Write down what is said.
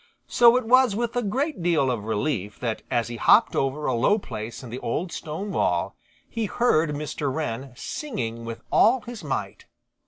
So it was with a great deal of relief that as he hopped over a low place in the old stone wall he heard Mr. Wren singing with all his might.